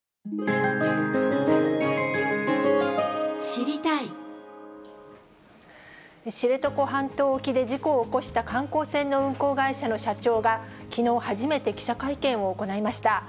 知床半島沖で事故を起こした観光船の運航会社の社長が、きのう初めて記者会見を行いました。